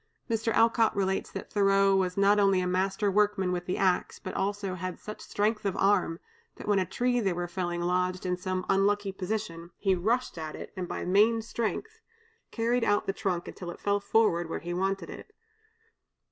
Mr. Alcott relates that Thoreau was not only a master workman with the axe, but also had such strength of arm, that when a tree they were felling lodged in some unlucky position, he rushed at it, and by main strength carried out the trunk until it fell where he wanted it.